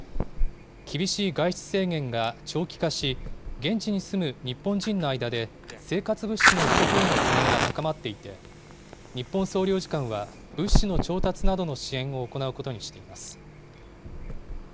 厳しい外出制限が長期化し、現地に住む日本人の間で生活物資の不足への懸念が高まっていて、日本総領事館は、物資の調達などの支援を行うことにしています。